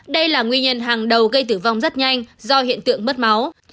đây là nguyên nhân hàng đầu gây tử vong rất nhanh do hiện tượng mất máu